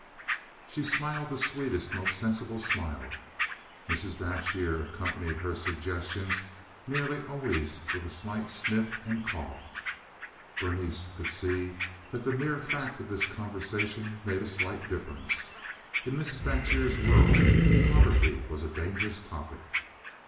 She smiled the sweetest, most sensible smile. Mrs. Batjer accompanied her suggestions nearly always with a slight sniff and cough. Berenice could see that the mere fact of this conversation made a slight difference. In Mrs. Batjer's world poverty was a dangerous topic.